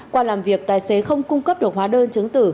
qua làm việc tài xế không cung cấp được hóa đơn chứng tử